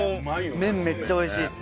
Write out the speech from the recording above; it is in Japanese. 麺めっちゃ美味しいです。